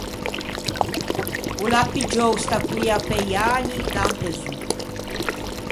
O l’à piggiou sta poia pe-i ägni da un peson.